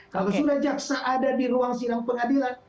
kalau sudah jaksa ada di ruang sidang pengadilan